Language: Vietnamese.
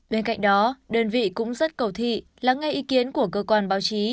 bên cạnh đó đơn vị cũng rất cầu thị lắng nghe ý kiến của cơ quan báo chí